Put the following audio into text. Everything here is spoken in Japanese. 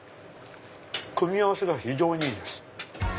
組み合わせが非常にいいです。